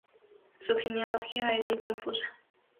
Su genealogía es muy confusa.